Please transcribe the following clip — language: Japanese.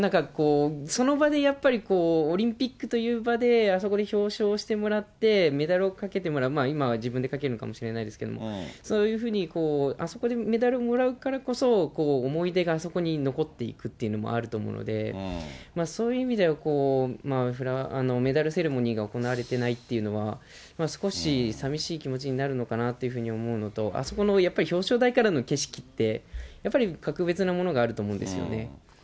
その場でやっぱり、オリンピックという場で、あの場で表彰してもらって、メダルをかけてもらう、今は自分でかけるのかもしれないですけども、そういうふうに、あそこでメダルをもらうからこそ、思い出がそこに残っていくっていうのもあると思うので、そういう意味では、メダルセレモニーが行われていないというのは、少し寂しい気持ちになるのかなと思うのと、あそこのやっぱり表彰台からの景色って、やっぱり格別なものがあると思うんですよ。